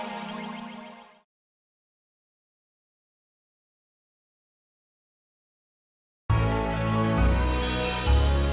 udah mbak udah